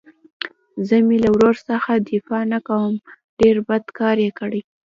زه مې له ورور څخه دفاع نه کوم ډېر بد کار يې کړى.